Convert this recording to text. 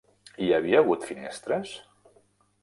Hi havia hagut finestres?